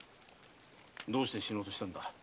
どうして死のうとしたのだ？